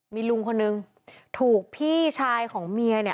มีลุงคนนึงถูกพี่ชายของเมียเนี่ย